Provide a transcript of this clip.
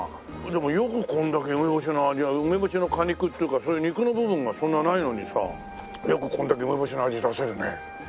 でもよくこれだけ梅干しの味が梅干しの果肉っていうかそういう肉の部分がそんなないのにさよくこれだけ梅干しの味出せるね。